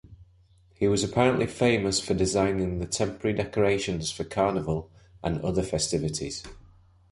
He was apparently famous for designing the temporary decorations for Carnival and other festivities.